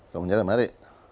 kalau mau nyerap mari